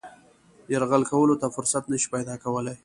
یرغل کولو ته فرصت نه شي پیدا کولای.